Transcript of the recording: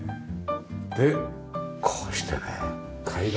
でこうしてね階段。